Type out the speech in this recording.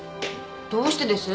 どうしてです？